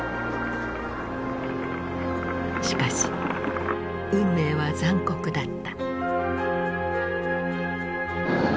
しかし運命は残酷だった。